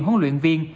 huấn luyện viên